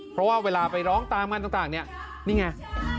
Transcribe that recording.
เพราะว่าเวลาไปร้องตามงานต่างเนี่ยนี่ไง